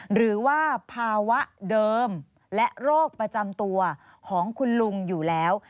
หรือว่าภาวะเดิมและโรคประจำตัวของคุณลุงอยู่แล้ว